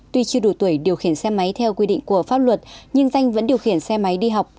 tuy chưa đủ tuổi điều khiển xe máy theo quy định của pháp luật nhưng danh vẫn điều khiển xe máy đi học